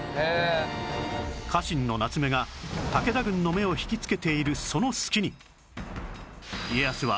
家臣の夏目が武田軍の目を引きつけているその隙に